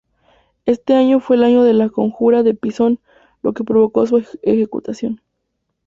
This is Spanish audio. Este fue el año de la conjura de Pisón, lo que provocó su ejecución.